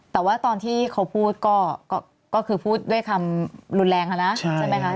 แต่ว่าตอนที่เขาพูดก็คือพูดด้วยคำรุนแรงนะใช่ไหมคะ